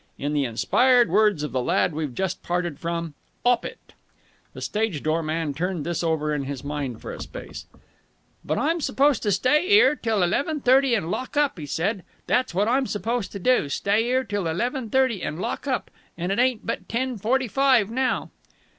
In the inspired words of the lad we've just parted from, 'op it!" The stage door man turned this over in his mind for a space. "But I'm supposed to stay 'ere till eleven thirty and lock up!" he said. "That's what I'm supposed to do. Stay 'ere till eleven thirty and lock up! And it ain't but ten forty five now."